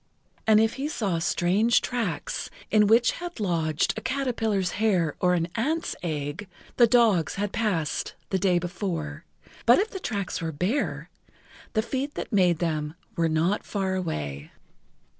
And if he saw strange tracks, in which had lodged a caterpillar's hair or an ant's egg, the dogs had passed the day before, but if the tracks were bare, the feet that made them were not far away.